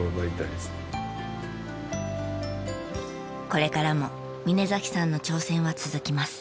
これからも峯さんの挑戦は続きます。